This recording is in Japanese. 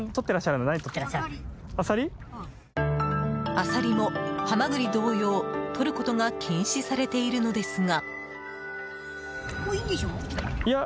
アサリもハマグリ同様とることが禁止されているのですが。